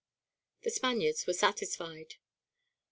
The Spaniards were satisfied.